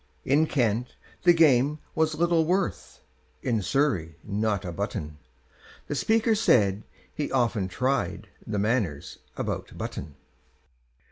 In Kent the game was little worth, In Surrey not a button; The Speaker said he often tried The Manors about Button.